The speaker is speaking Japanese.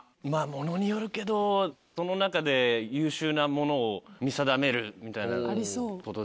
ものによるけどその中で優秀なものを見定めるみたいなことですよね。